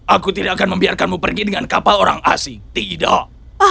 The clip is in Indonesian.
aku tidak akan membiarkanmu pergi dengan kapal orang asing tidak